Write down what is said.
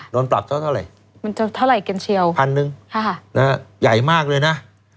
โดนปรับเท่าไหร่พันธุ์นึงใหญ่มากเลยนะ